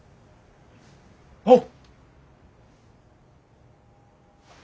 あっ！